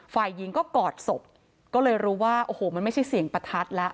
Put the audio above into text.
ฝ่ายหญิงก็กอดศพก็เลยรู้ว่าโอ้โหมันไม่ใช่เสียงประทัดแล้ว